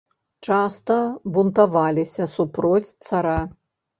Часта бунтаваліся супроць цара.